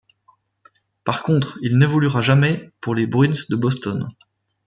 Par contre, il n'évoluera jamais pour les Bruins de Boston.